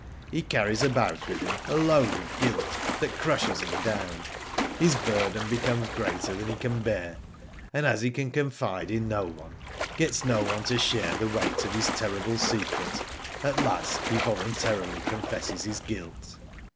He carries about with him a load of guilt that crushes him down. His burden becomes greater than he can bear, and as he can confide in no one, gets no one to share the weight of his terrible secret, at last he voluntarily confesses his guilt.